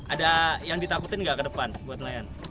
ada yang ditakutin nggak ke depan buat nelayan